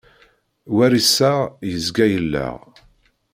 War iseɣ, yezga yelleɣ.